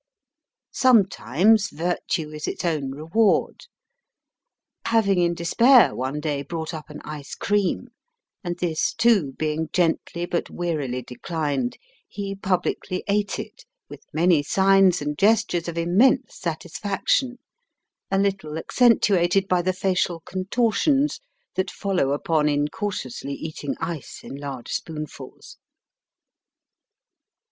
Sometimes virtue is its own reward. Having in despair one day brought up an ice cream, and this, too, being gently but wearily declined, he publicly ate it, with many signs and gestures of immense satisfaction, a little accentuated by the facial contortions that follow upon incautiously eating ice in large spoonfuls.